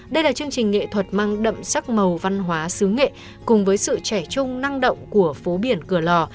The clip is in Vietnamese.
đây là chương trình nghệ thuật mang đậm sắc màu văn hóa xứ nghệ cùng với sự trẻ trung năng động của phố biển cửa lò